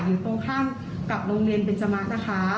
อยู่ตรงข้ามกับโรงเรียนเบนจมะนะคะ